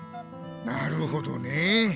なるほどねえ。